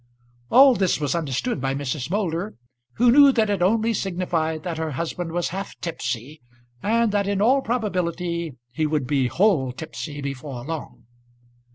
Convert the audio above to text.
All this was understood by Mrs. Moulder, who knew that it only signified that her husband was half tipsy, and that in all probability he would be whole tipsy before long.